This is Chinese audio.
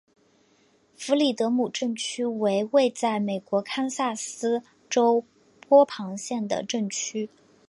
弗里德姆镇区为位在美国堪萨斯州波旁县的镇区。